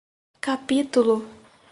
Capítulo